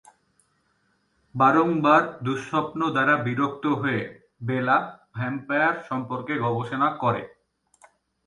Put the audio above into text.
বারংবার দুঃস্বপ্ন দ্বারা বিরক্ত হয়ে, বেলা ভ্যাম্পায়ার সম্পর্কে গবেষণা করে।